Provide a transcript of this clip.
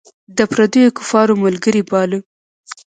د پردیو کفارو ملګری باله.